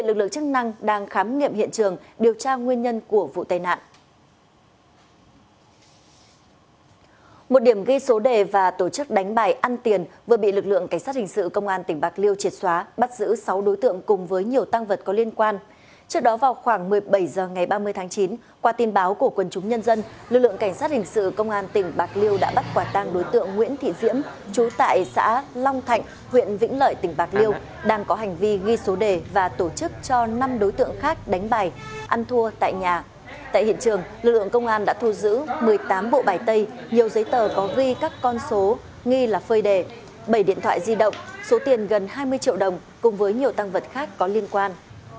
tại hiện trường lực lượng công an đã thu giữ một mươi tám bộ bài tây nhiều giấy tờ có ghi các con số nghi là phơi đề bảy điện thoại di động số tiền gần hai mươi triệu đồng cùng với nhiều tăng vật khác có liên quan